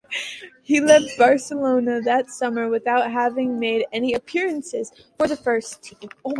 He left Barcelona that summer without having made any appearances for the first team.